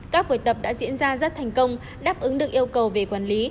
các buổi tập đã diễn ra rất thành công đáp ứng được yêu cầu về quản lý